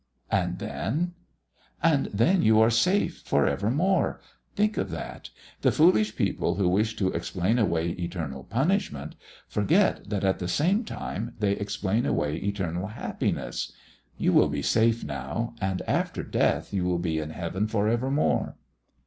"And then?" "And then you are safe, safe for evermore. Think of that. The foolish people who wish to explain away eternal punishment, forget that at the same time they explain away eternal happiness! You will be safe now, and after death you will be in heaven for evermore."